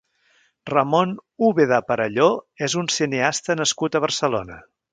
Ramon Úbeda Perelló és un cineasta nascut a Barcelona.